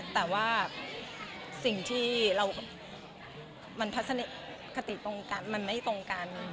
แต่ว่าสิ่งที่มันทัศนคติตรงกันมันไม่ตรงกัน